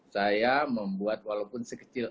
saya membuat walaupun sekecil